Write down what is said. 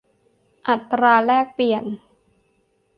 อัตราแลกเปลี่ยน